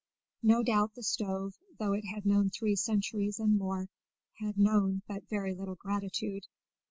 No doubt the stove, though it had known three centuries and more, had known but very little gratitude.